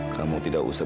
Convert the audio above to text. kamu tidak usah